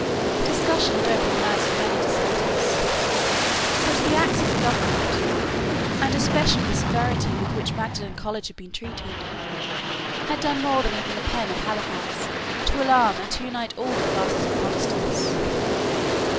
Discussion had opened the eyes of many Dissenters: but the acts of the government, and especially the severity with which Magdalene College had been treated, had done more than even the pen of Halifax to alarm and to unite all classes of Protestants.